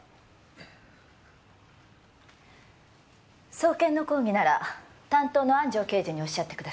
送検の抗議なら担当の安城刑事に仰ってください。